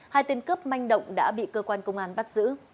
hai tên cướp manh động đã bị cơ quan công an bắt giữ